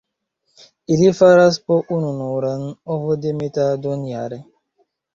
Ili faras po ununuran ovodemetadon jare.